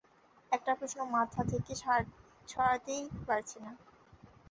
একটা প্রশ্ন মাথা থেকে সরাতেই পারছি না।